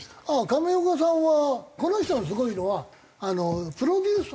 上岡さんはこの人がすごいのはプロデューサーなのよ。